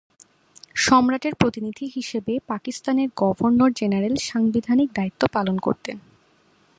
সম্রাটের প্রতিনিধি হিসেবে পাকিস্তানের গভর্নর জেনারেল সাংবিধানিক দায়িত্ব পালন করতেন।